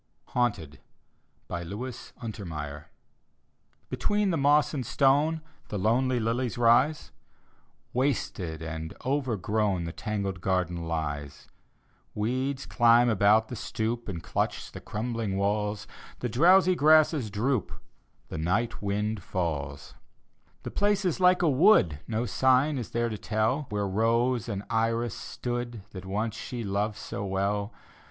HAUNTED : look untermeyer Between the moss and stone The lonely lilies rise; Wasted and overgrown The tangled garden lies. Weeds climb about the stoop And clutch the crumbling walls; The drowsy grasses droop— The night wind falls. The place is like a wood; No sign is there to tell Where rose and iris stood That once she loved so well.